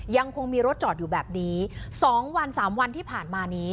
ยังคงมีรถจอดอยู่แบบนี้๒วัน๓วันที่ผ่านมานี้